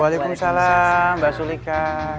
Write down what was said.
waalaikumsalam mbak sulika